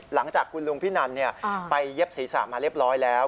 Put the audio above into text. หลังจากคุณลุงพินันไปเย็บศีรษะมาเรียบร้อยแล้ว